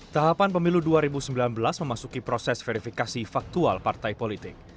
tahapan pemilu dua ribu sembilan belas memasuki proses verifikasi faktual partai politik